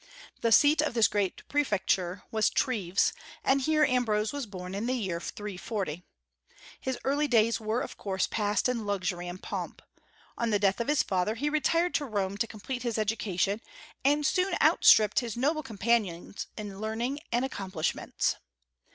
The seat of this great prefecture was Treves; and here Ambrose was born in the year 340. His early days were of course passed in luxury and pomp. On the death of his father he retired to Rome to complete his education, and soon outstripped his noble companions in learning and accomplishments.